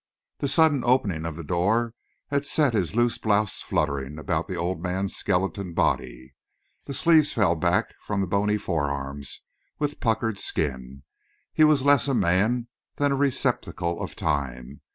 The sudden opening of the door had set his loose blouse fluttering about the old man's skeleton body. The sleeves fell back from bony forearms with puckered skin. He was less a man than a receptacle of time.